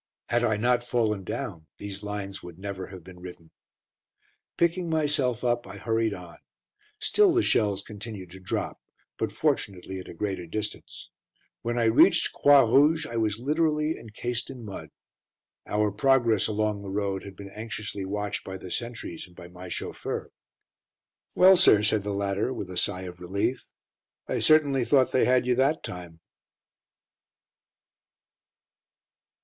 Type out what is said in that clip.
Had I not fallen down these lines would never have been written. Picking myself up, I hurried on. Still the shells continued to drop, but fortunately at a greater distance. When I reached Croix Rouge, I was literally encased in mud. Our progress along the road had been anxiously watched by the sentries and by my chauffeur. "Well, sir," said the latter, with a sigh of relief, "I certainly thought they had you that time."